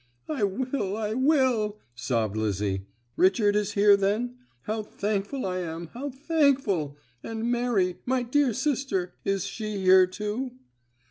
"I will, I will!" sobbed Lizzie, "Richard is here, then? How thankful I am, how thankful! And Mary, my dear sister, is she here, too?"